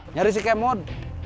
nyari si kemon